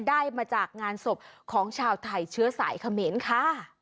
ได้มาจากงานศพของชาวไทยเชื้อสายเขมรค่ะ